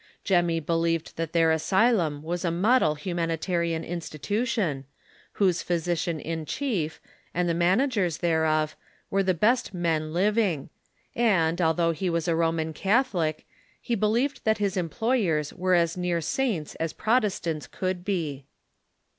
Jenuny believed tiiat tlieir asylum Avas a model humani tarian institution, whose physieian iu chief, and the man agers thereof, were the best men living ; and, although he was a Roman Catholic, he believed that his emi)loyers were as near saints as Protestants could be.